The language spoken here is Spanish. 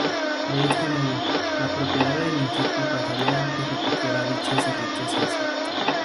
De este modo, la propiedad del insecto pasaría al que recogiera dichas riquezas.